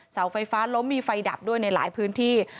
เสาไฟฟ้าล้มมีไฟดับด้วยในหลายพื้นที่